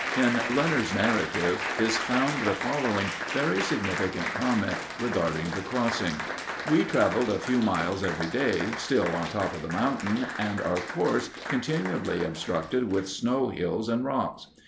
In Leonard's narrative is found the following very significant comment regarding the crossing: We travelled a few miles every day, still on top of the mountain, and our course continually obstructed with snow hills and rocks.